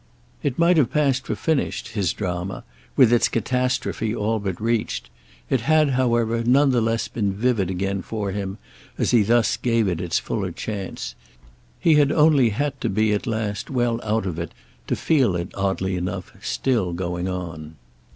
It might have passed for finished his drama, with its catastrophe all but reached: it had, however, none the less been vivid again for him as he thus gave it its fuller chance. He had only had to be at last well out of it to feel it, oddly enough, still going on.